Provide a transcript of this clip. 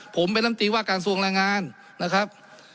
ผมเป็นลำตีว่าการทรวงแรงงานนะครับ